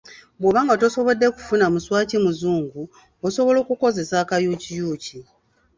Bw'oba nga tosobodde kufuna muswaki muzungu, osobola okukozesa akayukiyuuki.